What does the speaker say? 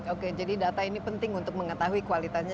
oke jadi data ini penting untuk mengetahui kualitasnya